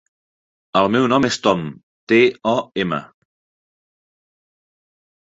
El meu nom és Tom: te, o, ema.